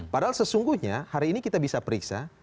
padahal sesungguhnya hari ini kita bisa periksa